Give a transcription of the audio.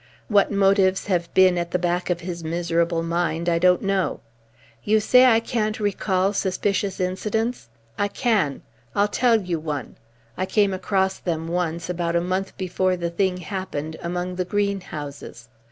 What motives have been at the back of his miserable mind, I don't know. You say I can't recall suspicious incidents. I can. I'll tell you one. I came across them once about a month before the thing happened among the greenhouses.